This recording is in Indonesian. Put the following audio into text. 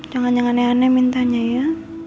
jangan jangan aneh aneh mintanya ya